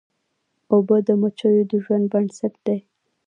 اوبه د مچیو د ژوند بنسټ دي.